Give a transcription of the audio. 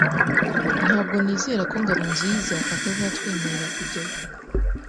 Ntabwo nizera ko Ngabonziza atazatwemerera kujyayo.